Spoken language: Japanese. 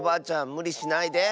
むりしないで。